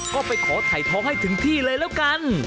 ก็ไปขอถ่ายท้องให้ถึงที่เลยแล้วกัน